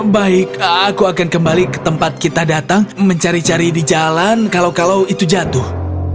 baik aku akan kembali ke tempat kita datang mencari cari di jalan kalau kalau itu jatuh